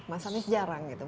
mas anies jarang gitu